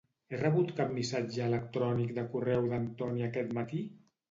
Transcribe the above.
He rebut cap missatge electrònic de correu d'en Toni aquest matí?